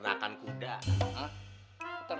taruh dia dulu